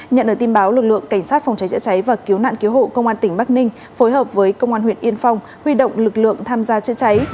nhận được tin báo lực lượng cảnh sát phòng cháy chữa cháy và cứu nạn cứu hộ công an tỉnh bắc ninh phối hợp với công an huyện yên phong huy động lực lượng tham gia chữa cháy